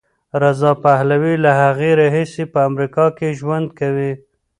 رضا پهلوي له هغې راهیسې په امریکا کې ژوند کوي.